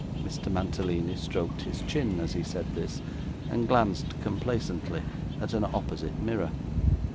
Mr. Mantalini stroked his chin, as he said this, and glanced complacently at an opposite mirror.